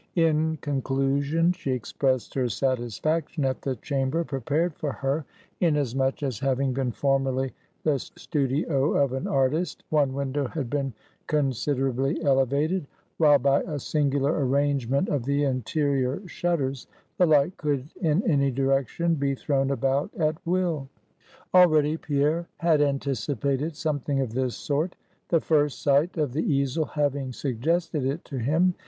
In conclusion, she expressed her satisfaction at the chamber prepared for her, inasmuch as having been formerly the studio of an artist, one window had been considerably elevated, while by a singular arrangement of the interior shutters, the light could in any direction be thrown about at will. Already Pierre had anticipated something of this sort; the first sight of the easel having suggested it to him.